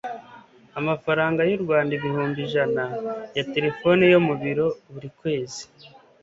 amafaranga y'u rwanda ibihumbi ijana ya telefone yo mu biro, buri kwezi